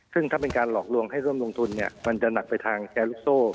ซึ่งถ้าเป็นการหลอกลวงให้ร่วมลงทุนมันจะหนักไปทางแชร์ลูกโซ่